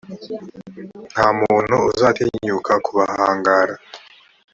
nta muntu uzatinyuka kubahangara;